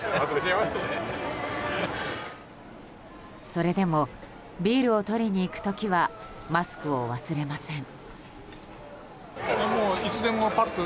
それでもビールを取りに行く時はマスクを忘れません。